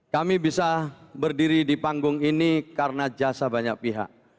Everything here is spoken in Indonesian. kami bisa berdiri di panggung ini karena jasa banyak pihak